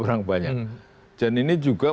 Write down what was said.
kurang banyak dan ini juga